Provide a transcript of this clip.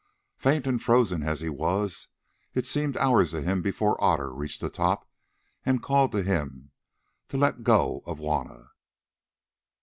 Faint and frozen as he was, it seemed hours to him before Otter reached the top and called to him to let go of Juanna.